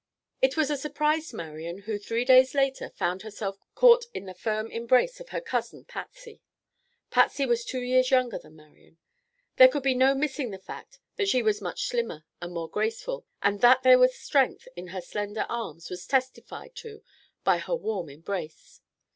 It was a surprised Marian who three days later found herself caught in the firm embrace of her cousin, Patsy. Patsy was two years younger than Marian. There could be no missing the fact that she was much slimmer and more graceful, and that there was strength in her slender arms was testified to by her warm embrace.